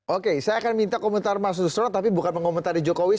oke saya akan minta komentar mas usro tapi bukan mengomentari jokowi